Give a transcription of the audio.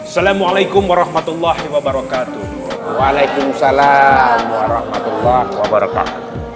assalamualaikum warahmatullahi wabarakatuh waalaikumsalam warahmatullahi wabarakatuh